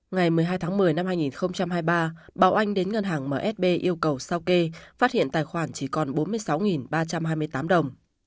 ngày một mươi hai tháng một mươi năm hai nghìn hai mươi ba bảo oanh đến ngân hàng msb yêu cầu sau kê phát hiện tài khoản chỉ còn bốn mươi sáu ba trăm hai mươi tám đồng